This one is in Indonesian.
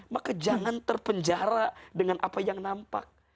maka jangan terpenjara dengan apa yang nampak